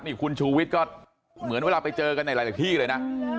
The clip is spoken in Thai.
นี่คุณชูวิทย์ก็เหมือนเวลาไปเจอกันในหลายที่เลยนะ